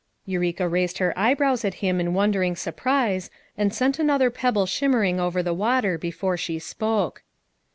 Eureka raised her eyebrows at him in won dering surprise and sent another pebble shim mering over the water before she spoke.